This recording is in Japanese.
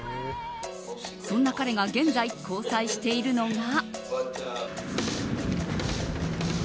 そんな彼が現在交際しているのが。